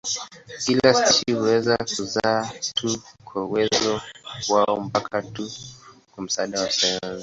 Kila spishi huweza kuzaa tu kwa uwezo wao mpaka tu kwa msaada wa sayansi.